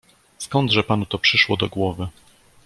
"skądże panu to przyszło do głowy?"